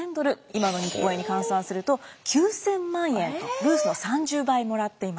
今の日本円に換算すると９，０００万円とルースの３０倍もらっていました。